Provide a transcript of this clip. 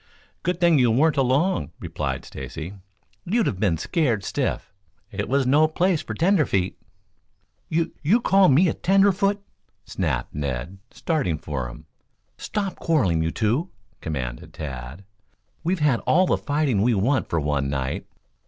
"Good thing you weren't along," replied Stacy. "You'd been scared stiff. It was no place for tenderfeet." "You you call me a tenderfoot?" snapped Ned, starting for him. "Stop quarreling, you two!" commanded Tad. "We've had all the fighting we want for one night.